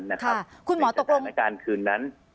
ในสถานการณ์คืนนั้น